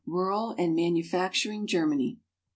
RURAL AND MANUFACTURING GERMANY.